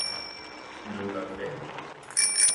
누가 그래?